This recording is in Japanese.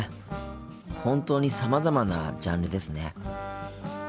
本当にさまざまなジャンルですね。